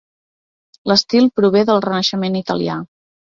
L'estil prové del renaixement italià.